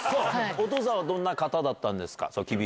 お父さんはどんな方だったんですか？